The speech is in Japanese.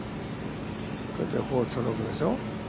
これで４ストロークでしょう？